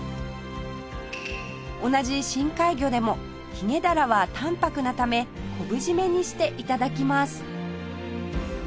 同じ深海魚でもヒゲダラは淡泊なため昆布締めにして頂きます